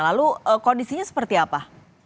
lalu kondisinya seperti apa